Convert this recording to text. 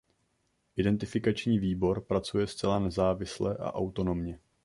Identifikační výbor pracuje zcela nezávisle a autonomně.